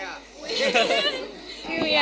พิเฟีย